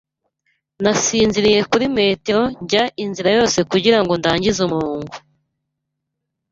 Nasinziriye kuri metero njya inzira yose kugirango ndangize umurongo.